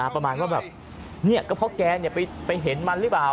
ประมาณว่าแบบเนี่ยก็เพราะแกไปเห็นมันหรือเปล่า